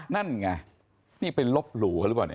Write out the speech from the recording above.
นั่นไงนี่เป็นลบหรูก็ลือป่ะนี่